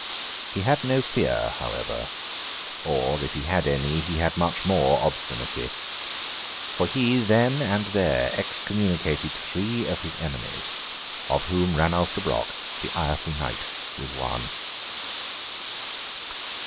He had no fear, however—or, if he had any, he had much more obstinacy—for he, then and there, excommunicated three of his enemies, of whom Ranulf de Broc, the ireful knight, was one.